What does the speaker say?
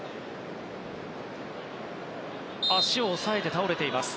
足を押さえて倒れています。